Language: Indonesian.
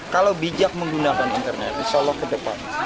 kalau bijak menggunakan internet insya allah ke depan